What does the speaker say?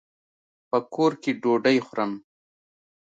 په کور کي ډوډۍ خورم.